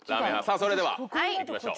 それでは行きましょう。